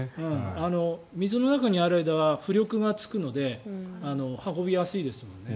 水の中にある間は浮力がつくので運びやすいですもんね。